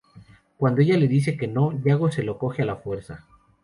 Cuando ella le dice que no, Yago se lo coge a la fuerza.